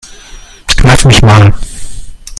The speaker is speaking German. Kneif mich mal.